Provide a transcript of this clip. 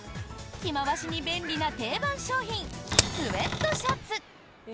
着回しに便利な定番商品スウェットシャツ。